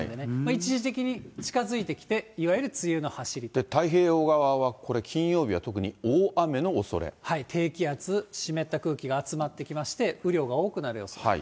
一時的に近づいてきて、太平洋側はこれ、金曜日は特低気圧、湿った空気が集まってきまして、雨量が多くなる予想。